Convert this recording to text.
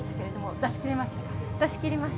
出し切れました。